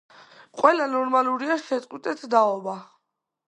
ყველა ნორმალურია შეწყვიტეთ დაობა